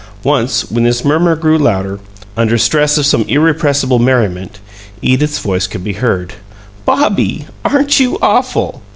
Once, when this murmur grew louder, under stress of some irrepressible merriment, Edith's voice could be heard "Bobby, aren't you awful!"